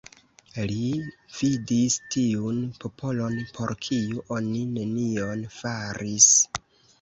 Li vidis tiun popolon, por kiu oni nenion faris.